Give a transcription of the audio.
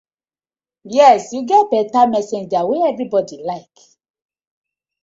Yes yu get betta messenger wey everybodi like.